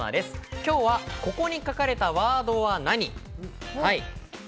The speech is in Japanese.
今日は「ここに書かれたワードは何？」です。